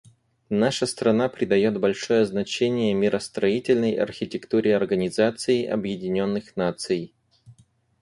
Наша страна придает большое значение миростроительной архитектуре Организации Объединенных Наций.